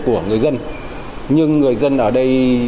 của người dân nhưng người dân ở đây